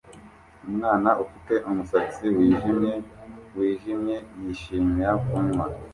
Umwana ufite umusatsi wijimye wijimye yishimira kunywa